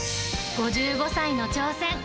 ５５歳の挑戦。